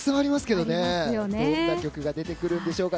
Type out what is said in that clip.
どんな曲が出てくるんでしょうか。